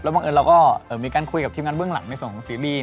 บังเอิญเราก็มีการคุยกับทีมงานเบื้องหลังในส่วนของซีรีส